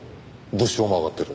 物証も挙がってる。